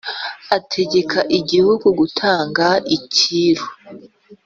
Ategeka igihugu gutanga icyiru